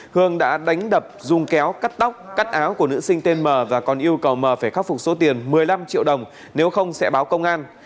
hương đã đánh đập dùng kéo cắt tóc cắt áo của nữ sinh tên m và còn yêu cầu m phải khắc phục số tiền một mươi năm triệu đồng nếu không sẽ báo công an